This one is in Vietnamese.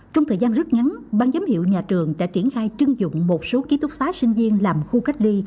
trong thời gian rất ngắn ban giám hiệu nhà trường đã triển khai trưng dụng một số ký túc xá sinh viên làm khu cách ly